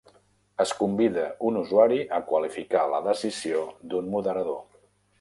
Es convida un usuari a qualificar la decisió d'un moderador.